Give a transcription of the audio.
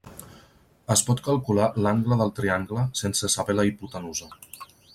Es pot calcular l'angle del triangle sense saber la hipotenusa.